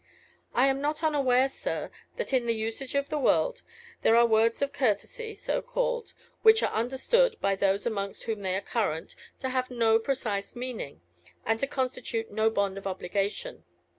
I am not unaware, sir, that, in the usage of the world, there are words of courtesy (so called) which are understood, by those amongst whom they are current, to have no precise meaning, and to constitute no bond of obligation.